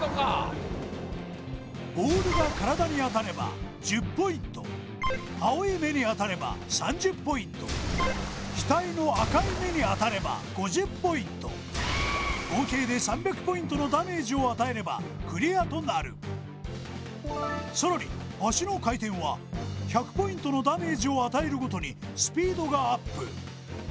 ボールが体に当たれば１０ポイント青い目に当たれば３０ポイント額の赤い目に当たれば５０ポイントさらに足の回転は１００ポイントのダメージを与えるごとにスピードがアップ